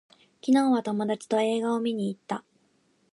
昨日は友達と映画を見に行った